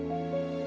aku sudah selesai